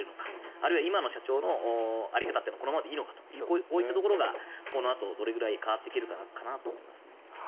あるいは今の社長の在り方がこのままでいいのかこういったところがこのあとどれぐらい変わっていけるかかなと思います。